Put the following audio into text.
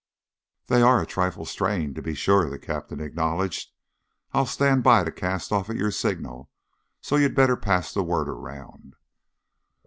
"They are a trifle strained, to be sure," the Captain acknowledged. "I'll stand by to cast off at your signal, so you'd better pass the word around."